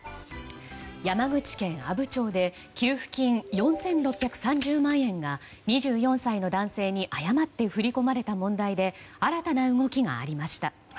山口県阿武町で給付金４６３０万円が２４歳の男性に誤って振り込まれた問題で新たな動きがありました。